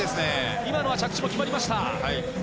今のは着地も決まりました。